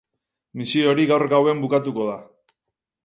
Misio hori gaur gauen bukatuko da.